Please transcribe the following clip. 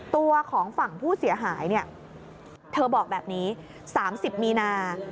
ตัวของฝั่งผู้เสียหายเนี่ยเธอบอกแบบนี้๓๐มีนา